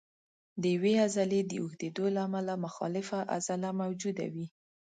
د یوې عضلې د اوږدېدو لپاره مخالفه عضله موجوده وي.